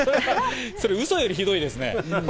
それ、うそよりひどいですね。